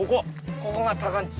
ここ？